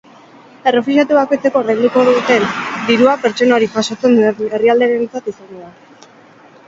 Errefuxiatu bakoitzeko ordainduko duten dirua pertsona hori jasotzen duen herrialdearentzat izango da.